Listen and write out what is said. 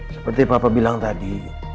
seperti papa bilang tadi